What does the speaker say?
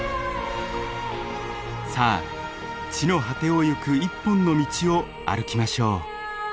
さあ地の果てをゆく一本の道を歩きましょう。